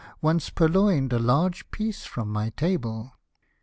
Once purloin'd a large piece from my table."